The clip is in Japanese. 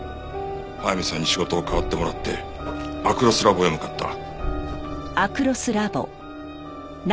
速水さんに仕事を代わってもらってアクロスラボへ向かった。